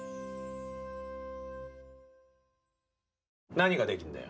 何ができるんだよ。